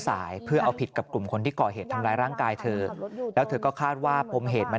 สายเพื่อเอาผิดกับกลุ่มคนที่ก่อเหตุทำร้ายร่างกายเธอแล้วเธอก็คาดว่าปมเหตุมัน